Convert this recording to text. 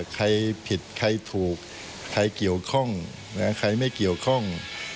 ใครผิดใครถูกใครเกี่ยวข้องใครไม่เกี่ยวข้อง